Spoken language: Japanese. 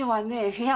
部屋